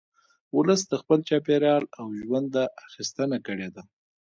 ولس د خپل چاپېریال او ژونده اخیستنه کړې ده